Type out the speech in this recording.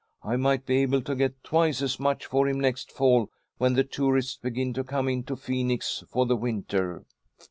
I might be able to get twice as much for him next fall when the tourists begin to come into Phoenix for the winter."